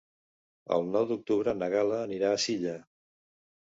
El nou d'octubre na Gal·la anirà a Silla.